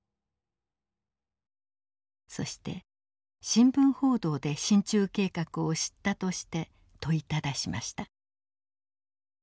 そして新聞報道で進駐計画を知ったとして問いただしました。